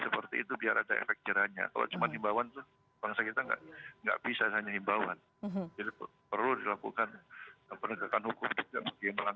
mudik sehat dan mudik aman